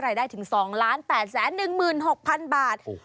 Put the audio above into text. ได้ถึง๒๘๑๖๐๐๐บาท